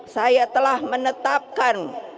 saya telah menetapkan